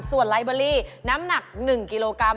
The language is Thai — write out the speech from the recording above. ส่วนไลเบอรี่น้ำหนัก๑กิโลกรัม